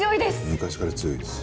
昔から強いです。